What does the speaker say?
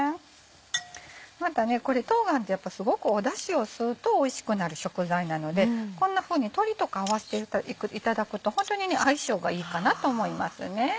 また冬瓜ってすごくだしを吸うとおいしくなる食材なのでこんなふうに鶏とか合わせていただくとホントに相性がいいかなと思いますね。